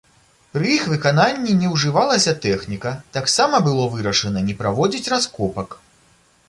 Пры іх выкананні не ўжывалася тэхніка, таксама было вырашана не праводзіць раскопак.